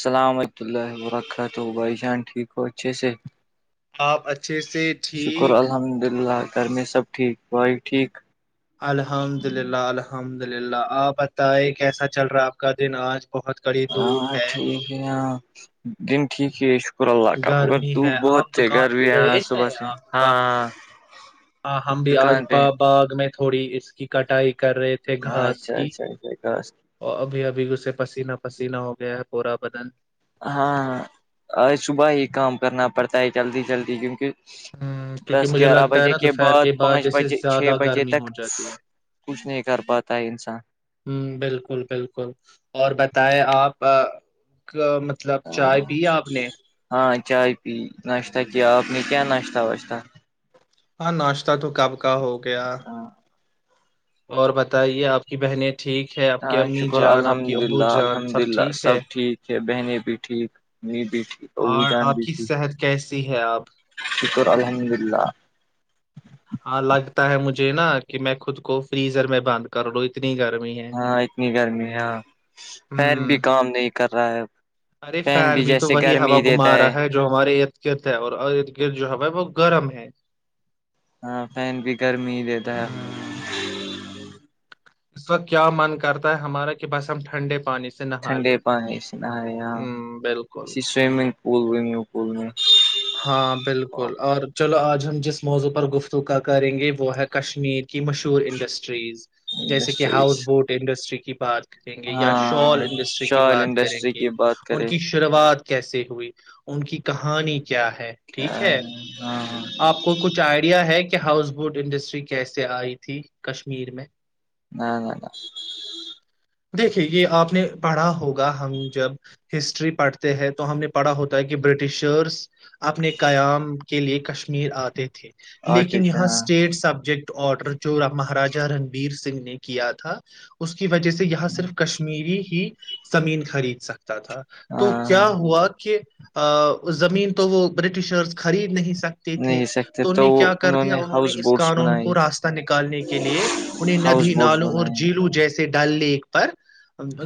السلام حمۃ اللہ و برکاتہ بھائی جان ٹھیک ہو اچھے سے آپ اچھے سے شکر ٹھیک الحمد للہ گھر میں سب ٹھیک بھائی ٹھیک الحمد للہ الحمد للہ آپ بتائیں کیسا چل رہا آپ کا دن آج بہت کڑی ہاں ٹھیک ہے ہاں دن ٹھیک ہے پ اللہ کا گرمی دھوپ ہے بہت آپ تھے گھر دکان پہ بھی یہاں گئے ہیں صبح سے آپ دکان ہاں ہاں ہم بھی دکان آجا پہ باغ میں تھوڑی اس کی کٹائی کر رہے تھ ت ہاں گھاس اچھا کی اچھا اچھا اور ابھی ابھی اسے پسینہ پسینہ ہو گیا ہے پورا بدن ہاں ہاں آج صبح ہی کام کرنا پڑتا ہے جلدی جلدی کیونکہ ہ کیونکہ دس مجھے گیارہ لگتا ہے بجے نا کے دوپہر بعد پانچ جیسے بجے چھ زیادہ بجے گرمی تک ہو جاتی ہے کچھ نہیں کر پاتا ہے انسان ہ بالکل بالکل اور بتائیں آپ مطلب چائے پیا آپ نے ہاں چائے پی ناشتہ کیا آپ نے کیا ناشتہ واشتہ ہاں ناشتہ تو کب کا ہو گیا ہاں اور بتائیے آپ کی بہنیں ٹھیک ہے آپ کی ہاں امی شکر جان آپ الحمد کی ابو للہ جان الحمد سب للہ ٹھیک سب ہے ٹھیک ہے بہنیں بھی ٹھیک م بی تھی ابو اور جان آپ بی کی تھی صحت کیسی ہے آپ شکر الحمد اللہ ہاں لگتا ہے مجھے نا کہ میں خود کو فریزر میں بند کر لو اتنی گرم ہاں اتنی گرمی ہاں پیر بھی ہوں کام نہیں کر رہا ہے اب ارے فین بھی تو وہی ہا گھما رہا ہے جو ہمارے د گرد ہے اور د گرد جو ہم وہ گرم ہے ہاں فین بھی گرمی ہی دیتا ہے ہوں کا کیا من کرتا ہے ہمارا کہ بس ہم ٹھنڈے پانی سے نہا لے ٹھنڈے پانی سنا ہے یہاں ہ بالکل کسی سوئمنگ پول و پول میں ہاں بالکل اور چلو آج ہم جس موضوع پر گفتگا کریں گے وہ ہے کشمیر کی مشہور انڈسٹریز جیسے کہ انڈسٹریز ہاؤس بوٹ انڈسٹری کی بات کریں گے یا ہاں شال انڈسٹری کی شال بات کریں انڈسٹری گے کی بات ان کریں کی ش شروعات کیسے ہوئی ان کی کہانی کیا ہے ٹھیک ہاں ہے ہاں آپ کو کچھ آئے یا ہے کہ ہاؤس بوٹ انڈسٹری کیسے آئی تھی کشمیر میں نہ نہ نہ دیکھیے یہ آپ نے پڑھا ہوگا ہم جب ہسٹری پڑھتے ہیں تو ہم نے پڑھا ہوتا ہے کہ برٹشرس اپنے قیام کے لیے کشمیر آتے تھے اور لیکن کچھ یہاں ہاں اسٹیٹ سبجیکٹ آرڈر جو مہاراجا رنبیر سنگھ نے کیا تھا اس کی وجہ سے یہاں صرف کشمیر کشمیری ہی زمین خرید سکتا تھا تو کیا ہاں ہوا کہ زمین تو وہ برٹشرس خرید نہیں سکتے تھے نہیں سکتے تو ان نے کیا کر دیا انہوں نے ہاؤس اس بوٹس قانون بنائی کو راسر نکالنے کے لیے انہیں ہاؤس ندی بوٹس نالوں اور بنائے جیلو جیسے ڈل لیک پر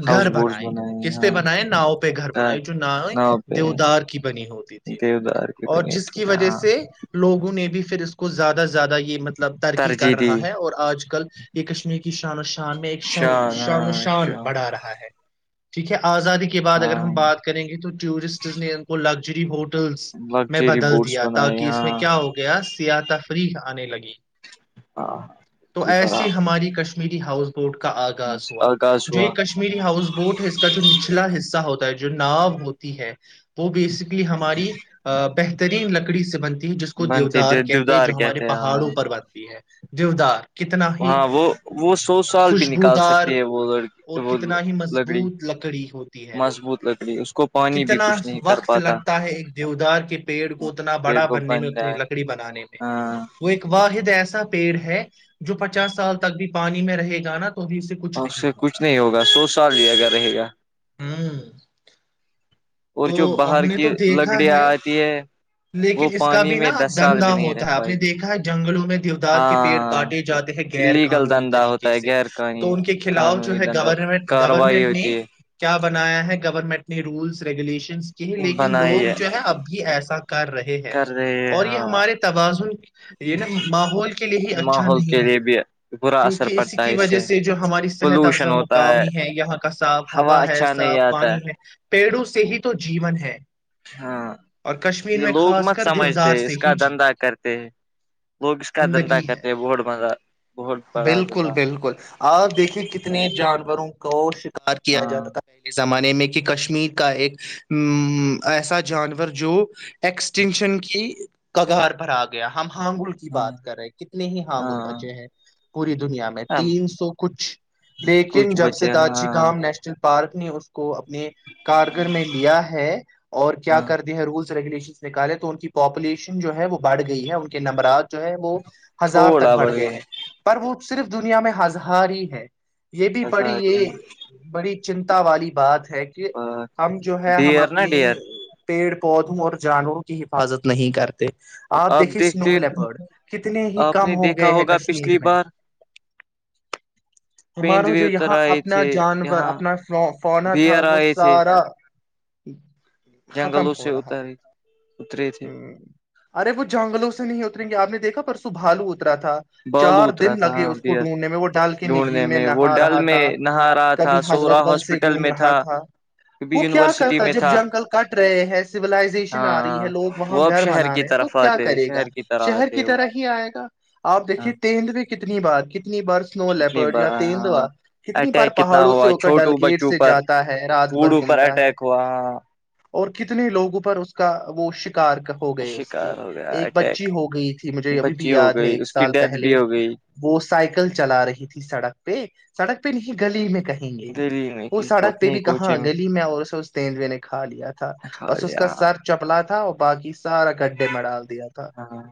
ہاؤس گھر بوٹس بنائے بنائی کسط ہاں بنائے ناؤ پہ گھر بنائے جو ناؤ دیوودار کی بنی ہوتی تھی دیودار کی اور جس بنیٹی کی وجہ ہاں سے لوگوں نے بھی پھر اس کو زیادہ سے زیادہ یہ مطلب ترکی ترجیح کر دی رہا ہے اور آج کل یہ کشمیر کی شان و شان میں ایک ش شان و شان بڑھا رہا ہے ٹھیک ہے آزادی کے بعد اگر ہاں ہم بات کریں گے تو ٹورسٹ نے ان کو لگژری ہوٹ میں لگژری بدل بوٹس دیا بنائے تاکہ اس میں ہاں کیا ہو گیا سیا تفریح آنے لگی ہاں تو بڑا ایسی ہماری کشم میری ہاؤس بوٹ کا آغاز ہوا آغاز جو یہ ہوا کش کشمیری ہاؤس بوٹ ہے اس کا جو نچلا حصہ ہوتا ہے جو نا ہوتی ہے وہ بیسکلی ہم بہترین لکڑی سے بنتی جس کو دیو بنتے دار کہتے دیودار جو ہمارے ہیں ہاں پہاڑوں پر بنتی ہے دیودار کتنا ہی ہاں وہ وہ سو سال بھی نکال خوشبودار سکتی ہے وہ لڑکی اور وہ کتنا ہی لکڑی مضبوط لکڑی ہوتی ہے وہ مضبوط لکڑی اس کو پانی بھی کتنا کچھ نہیں کر وقت پاتا لگتا ہے ایک دیودار کے پیڑ کو اتنا بڑا پیڑ کو بننے میں بن اتنی جائے لکڑی بنانے میں ہاں وہ ایک واحد ایسا پیڑ ہے جو پچاس سال تک بھی پانی میں رہے گا نا تو بھی اس اور اس سے کچھ نہیں ہوگا سو سال لیا گ رہے گا ہوں اور تو جو ہم باہر نے کی تو دیکھا لکڑیاں ہے آتی ہے وہ لیکن اس کا پانی بھی نا میں دس اب سال بھی دندا نہیں رہ ہوتا ہے آپ پائے نے گی دیکھا ہے جنگلوں میں دیودار کے پیڑ ہاں کاٹے جاتے ہیں غیر اللیگل قانونی دھندا ہوتا طریقے ہے سے غیر تو قانی ان کے خلاف جو قانونی ہے دندا گورنمنٹ کاروائی گورنمنٹ نے ہوتی کیا بنایا ہے گورنمنٹ نے رولس ریگولیشن ہی ہے لیکن بنائی لوگ جو ہے اب بھی ایسا کر رہے ہیں کر رہی ہے اور یہ ہاں ہمارے توازن یہ نا ماحول کے لیے ہی اچھا ماحول کے نہیں ہے لیے بھی برا اثر کیونکہ اس پڑتا ہے کی وجہ سے جو ہماری صحت پولوشن افزا ہوتا کاامی ہے یہاں کا صاف ہوا ہے اچھا نہیں صاف آتا پانی ہے پیڑوں سے ہی تو جیون ہے ہاں اور کشمیر یہ میں لوگ خاص مت کر سمجھتے دیودار ہیں سے اس کا ہی دھندا جیون ہے کرتے ہیں لوگ اس کا دندہ زندگی ہے کرتے ہیں بہڈ مندہ بالکل بالکل آپ دیکھیے کتنے جانوروں کو شکار کیا جاتا ہاں تھا پہلے زمانے میں کہ کشمیر کا ایک ا ایسا جانور جو ایکسٹینشن کی کگار بھر آ گیا ہم ہانگل کی ہاں بات کر رہے کتنے ہی ہاںگل ہاں بچے ہیں پوری دنیا میں ہاں تین سو کچھ لیکن کچھ جب سے بچے داجی ہاں گام نیشنل پارک نے اس کو اپنے کارگر میں لیا ہے اور کیا ہاں کرتے ہیں رولس ریگولیشنس نکالے تو ان کی پاپولیشن جو ہے وہ بڑ گئی ہے ان کے نمبرات ہے وہ ہزار تک تھوڑا بڑ بڑھ گئے گیا ہیں پر وہ صرف دنیا میں ہزار ہی ہے یہ بھی ایسا بڑی یہ بڑی چنتا والی بات ہے کہ ہم جو ہے ہم ڈیئر نا اپنی ڈیئر پیڑ پودوں اور جانوروں کی حفاظت نہیں کرتے آپ دیکھیے اسنو لیپرڈ کتنے ہی آپ کم نے ہو دیکھا گئے ہیں ہوگا کشمیر پچھلی میں پینڈو ہمارا جو اتر یہاں آئے تھ اپنا جانور یہاں اپنا فونا تھا بئر وہ آئے تھ سارا ختم جنگلوں سے ہو رہا اتاریے اترے تھے ہے ہ ارے وہ جنگلوں سے نہیں اتریں گے آپ نے دیکھا پرسو بھالو اترا تھا بالو چار اترا دن تھا لگے ہاں اس کو بیئر ڈھونڈنے میں وہ ڈال کے نہیں ڈھونڈنے میں وہ نہا ڈل رہا میں تھا نہا رہا کبھی تھا سورا حضرت بل سے ہاسپٹل گھوم میں رہا تھا وہ کبھی کیا یونیورسٹی کرتا میں جب تھا جنگل کٹ رہے ہیں سولائزیشن ہاں آ رہی ہے ہاں لوگ وہاں وہ اب گھر شہر بنا کی رہے ہیں تو طرف کیا آتے کرے گا شہر کی طرح شہر کی آتے وہ طرح ہی آئے گا آپ ہاں دیکھیے تیند میں کتنی بار کتنی بار سنو لیپر کتنی اٹیک کتنا ہوا سے ہو کر چھوٹو ڈل گیٹ بچوں سے پر جاتا ہے رات بھر بوڑوں پر گھومتا ہے اٹیک کو [unintelligible] اور کتنے لوگوں پر اس کا وہ شکار کا ہو گئے اس کی شکار ہو گیا ایک بچی اٹیک ہو گئی تھی مجھے ابھی بھی بچی ہو یاد ہے گئی ایک اس کی سال ڈیتھ پہلے بھی ہو گئی وہ سائیکل چلا رہی تھی سڑک پہ سڑک پہ نہیں گلی میں کہیں گے دہلی میں وہ کہ سڑک پہ اپنے بھی کہاں کوچے گلی میں اور اسے اس تیندوے نے کھا لیا تھا کھا بس اس لیا کا سر چپلا تھا اور باقی سارا گڈھے میں ڈال دیا تھا ہاں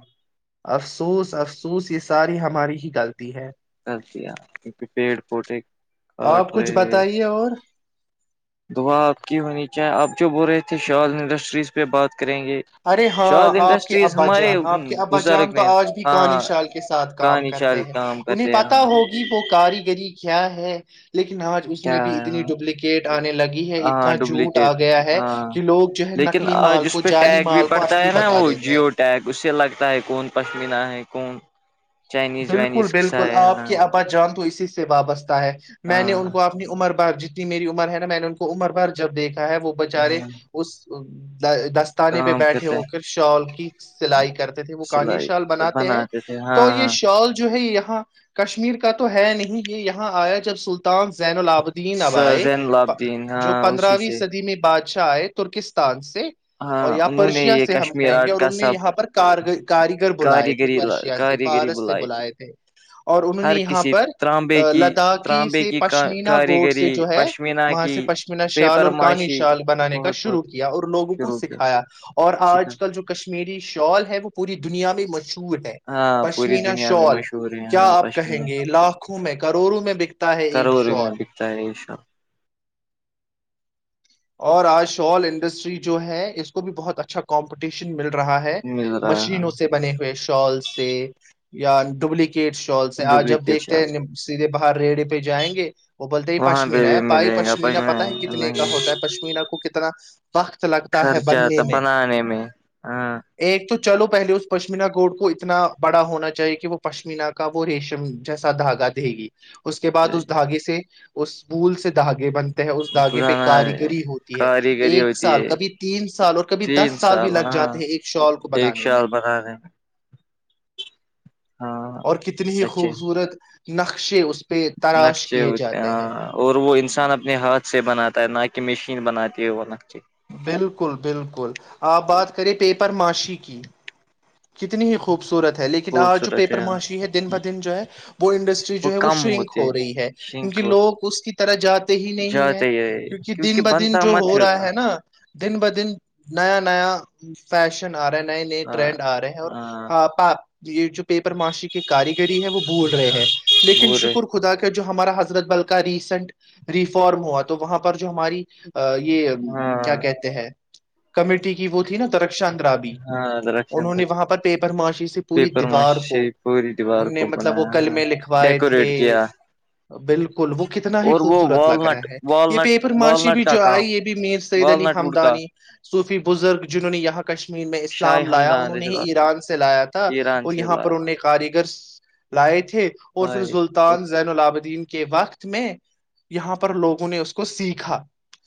افسوس افسوس یہ ساری ہماری ہی غلطی ہے کر دیا کیونکہ پیڑ پودھے کاٹ آپ کچھ رہے ہیں بتائیے اور دعا آپ کی ہونی چاہیں آپ جو بول رہے تھے شال انڈسٹریز پہ بات کریں گے ارے ہاں شاد آپ کے انڈسٹریز ابا ہمارے جان آپ کے ابا جان بزرگ تو نے آج بھی کان ہاں شال کے ساتھ کام کہانی کرتے چال ہیں کام انہیں کرتے پتا ہاں ہوگی وہ کاریگری کیا ہے لیکن آج اس میں کیا بھی اتنی ڈوپلیکیٹ گیٹ آنے لگی ہے ہاں اتنا جھوٹ آ ڈپلیکیٹ گیا ہے ہاں کہ لوگ جو ہے لیکن نکلی آج مال اس کو پہ جالی ٹیگ بھی پڑتا ہے نا وہ جیو ٹیک اس سے لگتا ہے کون پشمینہ ہے کون چائنیز بالکل وائنیز کسا بالکل ہے آپ ہاں کی ابا جان تو اسی سے وابستہ ہے میں نے ان ہاں کو آپ اپنی عمر بھر جتنی میری عمر ہے نا میں نے ان کو عمر بھر جب دیکھا ہے وہ بےچارے ہ اس دس [unintelligible] تانے پہ کام بیٹھے کرتے ہو کر شال کی سلائی کرتے تھے وہ کانی سلائی شال کرتے بناتے ہیں تھے ہاں تو یہ ہاں شال جو ہے یہاں کشمیر کا تو ہے نہیں یہ یہاں آیا جب سلطان زین الآب دین ابائے زین لابدین جو ہاں اسی پندرہویں سے صدی میں بادشاہ آئے ترکستان سے اور ہاں یاں انہوں نے پرشیا یہ سے ہم کشمیر کہیں گے آرٹ اور کا ان نے سب یہاں پر کاریگر بلائے تھے کاریگری پرشیا سے کاریگری پارس سے بلائی تھی بلاائے تھے اور انہوں نے ہر یہاں کسی پر تانبے کی لداخی تانبے سے کی پشمینا گوٹ سے کاریگری جو ہے پشمینہ وہاں سے کی پش شال پیپر اور کانی معاشی شال بنانے کا بہت بہت شروع کیا اور لوگوں کو شروع کیا سکھایا اور سیکھا آج کل جو کشمیری شال ہے وہ پوری دنیا میں مشہور ہے ہاں پوری پشمینہ دنیا میں شال مشہور ہے کیا یہاں آپ پش کہیں گے لاکھوں میں کروڑوں میں بکتا ہے ایک کرول میں شال بھی اشا [inaudible] اور آج شال انڈسٹری جو ہے اس کو بھی بہت اچھا کمپٹیشن مل رہا ہے مل رہا ہے ہاں مشینوں سے سے بنے ہوئے شال سے یا ڈوبلیک کیٹ شال سے آج جب ڈپلیکیٹ دیکھتے شال ہیں سیدھے باہر ریڑے پہ جائیں گے وہ بولتے ہے یہ وہاں پہ پشمین ہے بھی پائی ملے گا پ پشمینا پتا ہے کتنے کا نہیں ہوتا ہے پشمین کو کتنا وقت لگتا ہے خرچہ بننے تھا میں بنانے میں ہاں ایک تو چلو پہلے اس پشمینہ گوڈ کو اتنا بڑا ہونا چاہیے کہ وہ پشمین کا وہ ریشم جیسا دھاگا دے گی اس کے بعد اس دھاگے سے اس بول سے دھاگے بنتے ہیں اس دھاگے پہ پرانا کاری گری ہوتی ہے کاریگری ایک ہوتی سال ہے کبھی تین سال اور کبھی دس تین سال بھی لگ جاتے ہاں ہیں ایک شال کو ایک بنانے میں شال بنانے میں ہاں اور کتنی ہی سچے خوبصورت نقشے اس پہ تراش نقشے کیے ہوتے جاتے ہیں ہاں اور وہ انسان اپنے ہاتھ سے بناتا ہے نہ کہ مشین بناتی ہے وہ لگتی بالکل بالکل آپ بات کریں پیپر معاشی کی کتنی ہی خوبصورت ہے لیکن آج جو پیپر ماشی ہے دن ب دن جو ہے وہ انڈسٹری جو ہے وہ کم شرنک ہوتے ہو رہی ہے شنک کیونکہ ہو لوگ اس کی طرح جاتے ہی نہیں ہے جاتے یہ کیونکہ دن ب دن بنتا جو مت ہو رہا ہوتا ہے ہے نا دن ب دن نیا نیا فیشن آ رہا نئے نئے ہاں ٹرینڈ آ رہے ہیں ہاں اور پ یہ جو پیپر معاشی کی کاریگری ہے وہ بول رہے ہیں لیکن بورے شکر خدا کا جو ہمارا حضرت بل کا ریسینٹ ریفارم ہوا تو وہاں پر جو ہماری یہ ہاں کیا کہتے ہیں کمیٹی کی وہ تھی نا ترکشانند راابی ہاںر انہوں نے وہاں پر پیپر معاشی سے پوری دیوار ماشی کو سے پوری دیوار ان نے کو مطلب وہ بنایا قلمے لکھوائے تھے ڈیکوریٹ کیا بالکل وہ کتنا ہی اور وہ خوبصورت لگ رہا والنٹ ہے یہ والنٹ پیپر ماشی والنٹ بھی کا جو کام آئی یہ بھی میر سعید علی والنٹ ووڈ کا ہممدانی صوفی بزرگ جنہوں نے یہاں کشمیر میں شاہ اسلام لایا ہممدان انہوں نے رض ہی ایران سے لایا تھا ایران اور سے یہاں پر ان لایا نے کاریگر لائے تھے اور پھر لائے اور سلطان زین اللاعبدین کے وقت میں یہاں پر لوگوں نے اس کو سیکھا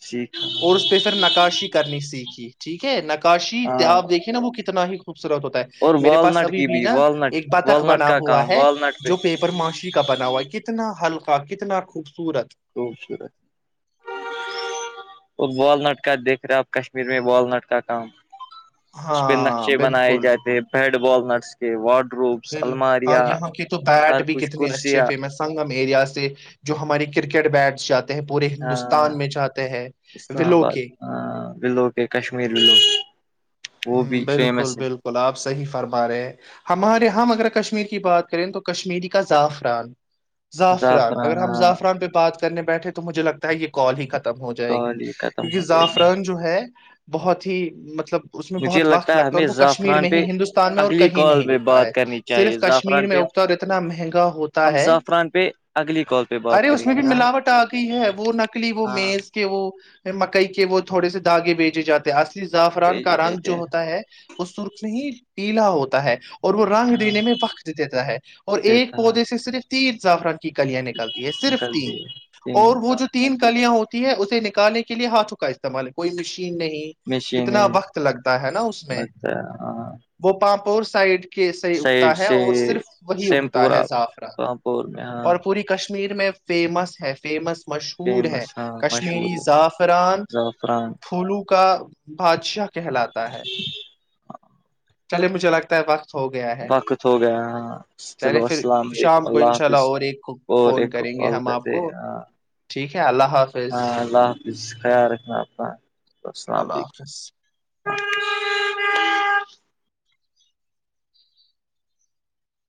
سیکھ اور اس پہ پھر نکاشی کرنی سیکھی ٹھیک ہے نکاشی ت ہاں آپ دیکھیے نا وہ کتنا ہی خوبصورت ہوتا اور ہے میرے پاس والنٹ ابھی کی بھی نا والنٹ ایک بطخ والنٹ بنا کا ہوا کام ہے والنٹ پہ جو پی ماشی کا بنا ہوا کتنا ہلکا کتنا خوبصورت خوبصورت اور والنٹ کا دیکھ رہے آپ کشمیر میں والنٹ کا کام اس پہ ہاں نقشے بنائے بالکل جاتے ہیں بیڈ بال نٹس کے وارڈ روبس اور الماریاں یہاں کے تو ہر بیٹ بھی کچھ کتنے اچھے کرسیاں فیمس سنگم ایریا سے جو ہماری کرکٹ بیٹس جاتے ہیں پورے ہاں ہندوستان میں جاتے ہیں اسلام ولو آباد کے لو کے کشمیر لو وہ بھی فیمس ہے گلاب سحیح فرما رہے ہمارے ہم اگر کشمیر کی بات کریں تو کشمییرری کا زعفران زعفران اگر ہم زعفران پہ بات کرنے بیٹھے تو مجھے لگتا ہے یہ کال ہی ختم ہو جائے گی کال یہ ختم کیونکہ ہو جائے گا زعفران جو ہے بہت ہی مطلب اس میں مجھے بہت وقت لگتا ہے ہمیں اور وہ کشمیر زعفران میں پہ ہی ہندوستان میں اور اگلی کہیں کال نہیں پہ اگتا بات ہے کرنی چاہیے صرف کشمیر زعفران میں پہ ا اور اتنا مہنگا ہوتا ہم ہے زعفران پہ اگلی کال پہ بات ارے اس کریں میں بھی گے ہاں ملاوٹ آ گئی ہے وہ نہ وہ ہاں میز کے وہ مکئی کے وہ تھوڑے سے داغے بیجے جاتے ہیں اصلی زعفران کا بھیجے رنگ جاتے جو ہوتا ہے وہ سرخ میں ہی پیلا ہوتا ہے اور وہ رنگ ہاں دینے میں وقت دیتا ہے اور ایک تھا پودے سے صرف تین زا عفران کلیاں نکلتی ہے صرف نکلتی تین اور وہ ہے جو تین کلیاں ہوتی ہے اسے نکالنے کے لیے ہاتھوں کا استعمال کوئی مشین نہیں کتنا مشین وقت لگتا ہے نا اس میں لگتا ہے ہاں وہ پاپور سائڈ کے سے سائڈ اگتا ہے سے اور صرف وہی سیم اگتا ہے پورہ زعفرہ پامپور میں ہاں اور پوری کشمیر میں فیمس ہے فیمس مشہور ہے فیمس ہاں کشمیری مشہور زعفران زعفران پھولو کا بادشاہ کہلاتا ہے چلے مجھے لگتا ہے بق ہو گیا ہے وقت ہو گیا ہاں چلے چلو پھر السلام علیکم شام کو ان شاء اللہ حافظ اور ایک کو اور فون ایک کریں گے کال ہم آپ کرتے کو ہاں ٹھیک ہے اللہ حافظ اس خیال رکھنا اپنا السلام علیکم اللہ حافظ